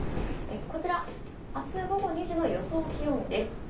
こちら明日午後２時の予想気温です。